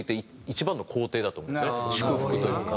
祝福というか。